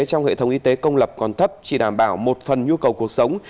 trong hệ thống y tế công lập còn thấp chỉ đảm bảo một phần nhu cầu cuộc sống